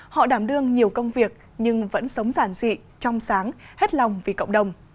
họ đảm đương nhiều công việc nhưng vẫn sống giản dị trong sáng hết lòng vì cộng đồng